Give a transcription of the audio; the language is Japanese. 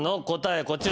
こちら。